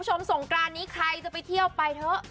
ช่วงกราศนี้ใครจะไปที่เยี่ยวไปเถอะ